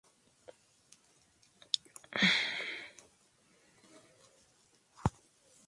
Lengua de la familia indoeuropea, rama indo-irania, grupo indo-ario central.